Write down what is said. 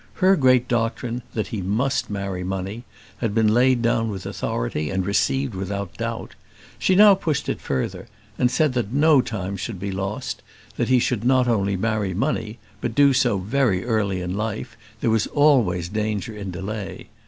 Her great doctrine, that he must marry money, had been laid down with authority, and received without doubt. She now pushed it further, and said that no time should be lost; that he should not only marry money, but do so very early in life; there was always danger in delay.